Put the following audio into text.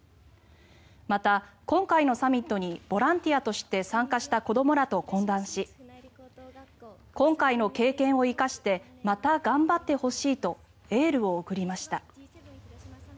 また、今回のサミットにボランティアとして参加した子どもらと懇談し今回の経験を生かしてまた頑張ってほしいとエールを送りました。